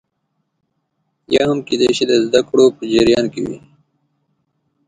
یا هم کېدای شي د زده کړو په جریان کې وي